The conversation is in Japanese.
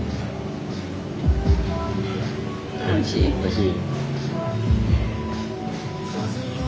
おいしい。